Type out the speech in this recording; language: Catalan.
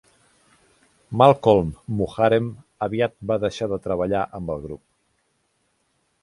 Malkolm Muharem aviat va deixar de treballar amb el grup.